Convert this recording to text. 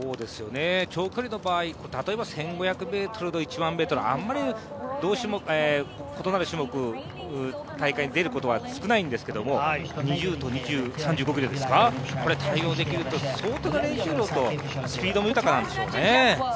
長距離の場合、例えば１０００ｍと１００００ｍあんまり異なる種目、大会に出ることは少ないんですけれども２０と３５ｋｍですか、これ対応できる相当スピードも豊かなんでしょうね。